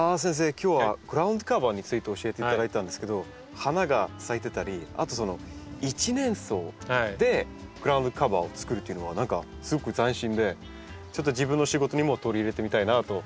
今日はグラウンドカバーについて教えていただいたんですけど花が咲いてたりあと一年草でグラウンドカバーを作るっていうのは何かすごく斬新でちょっと自分の仕事にも取り入れてみたいなと思います。